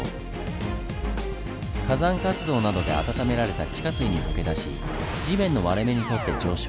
火山活動などで温められた地下水に溶け出し地面の割れ目に沿って上昇。